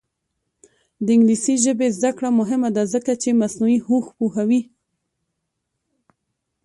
د انګلیسي ژبې زده کړه مهمه ده ځکه چې مصنوعي هوش پوهوي.